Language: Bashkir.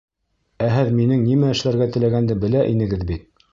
Ә һеҙ минең нимә эшләргә теләгәнде белә инегеҙ бит.